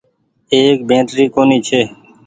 ايڪ بيٽري ڪونيٚ ڇي۔